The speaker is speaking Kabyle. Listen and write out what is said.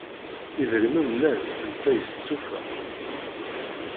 Idrimen llan netta yestufa.